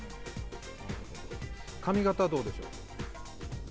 髪形はどうでしょう。